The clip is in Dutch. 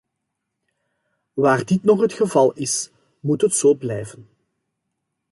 Waar dit nog het geval is, moet het zo blijven.